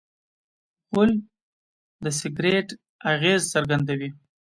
غول د سګرټ اغېز څرګندوي.